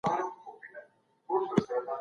خوب د هورمونونو توازن ساتي.